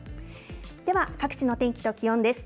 では、各地の天気と気温です。